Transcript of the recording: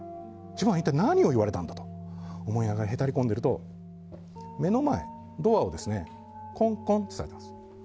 自分は一体何を言われたんだと思いながら、へたりこんでいると目の前、ドアをコンコンとたたかれるんです。